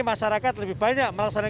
masyarakat lebih banyak melaksanakan